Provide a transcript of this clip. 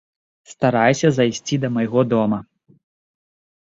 Старайся зайсці да майго дома.